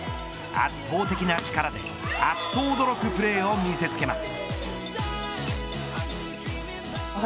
圧倒的な力であっと驚くプレーを見せつけます。